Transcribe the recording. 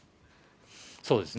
そうですね。